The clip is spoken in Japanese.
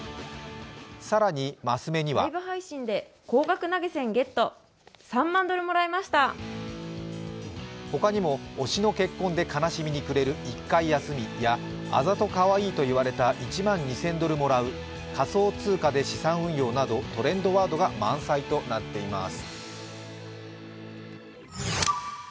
更に升目には他にも、「推しの結婚で悲しみに暮れる１回休み」や「あざとかわいいと言われた、１２０００ドルもらう」、「仮想通貨で資産運用」などトレンドワードが満載となっています。